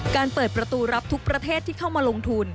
เปิดประตูรับทุกประเทศที่เข้ามาลงทุน